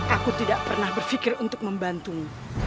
aku tidak pernah berpikir untuk membantumu